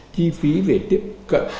chi phí về tiếp cận